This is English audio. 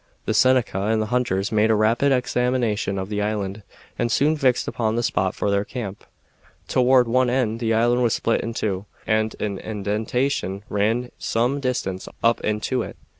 The Seneca and the hunters made a rapid examination of the island, and soon fixed upon the spot for their camp. Toward one end the island was split in two, and an indentation ran some distance up into it.